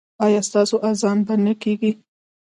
ایا ستاسو اذان به نه کیږي؟